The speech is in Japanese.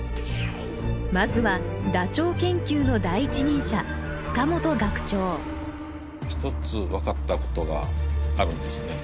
まずはダチョウ研究の第一人者塚本学長一つ分かったことがあるんですね。